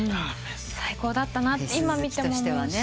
最高だったなって今見ても思うし。